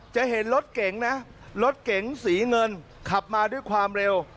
จะเห็นรถเก่งสีเงินขับมาด้วยความเร็ว